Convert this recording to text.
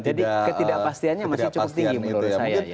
jadi ketidakpastiannya masih cukup tinggi menurut saya